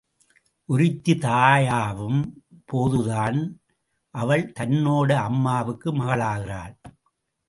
ஒருத்தி தாயாவும் போதுதான் அவள் தன்னோட அம்மாவுக்கு மகளாகிறாள்.